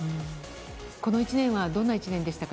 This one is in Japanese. この１年はどんな１年でしたか。